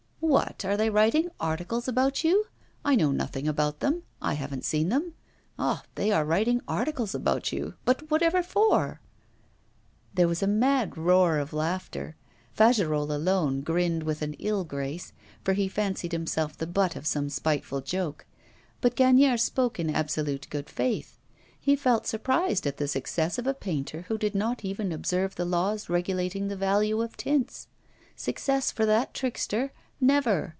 'What, are they writing articles about you? I know nothing about them, I haven't seen them. Ah! they are writing articles about you, but whatever for?' There was a mad roar of laughter. Fagerolles alone grinned with an ill grace, for he fancied himself the butt of some spiteful joke. But Gagnière spoke in absolute good faith. He felt surprised at the success of a painter who did not even observe the laws regulating the value of tints. Success for that trickster! Never!